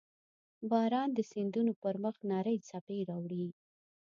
• باران د سیندونو پر مخ نرۍ څپې راوړي.